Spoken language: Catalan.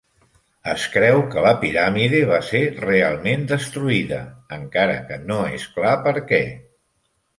Es creu que la piràmide va ser realment destruïda, encara que no és clar per què.